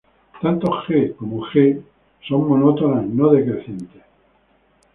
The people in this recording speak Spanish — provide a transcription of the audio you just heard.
Tanto "g" como "g" son monótonas no decrecientes.